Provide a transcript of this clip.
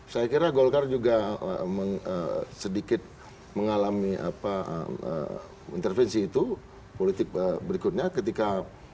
saya kira golkar juga sedikit mengalami intervensi itu politik berikutnya ketika